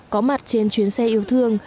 có mặt trên chuyến xe yêu thương